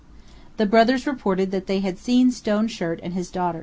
The brothers reported that they had seen Stone Shirt and his daughters.